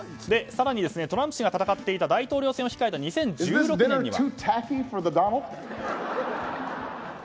更にトランプ氏が戦っていた大統領選を控えていた２０１６年には。